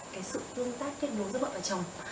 cái sự tương tác kết nối giữa bậc và chồng